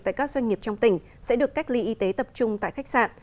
tại các doanh nghiệp trong tỉnh sẽ được cách ly y tế tập trung tại khách sạn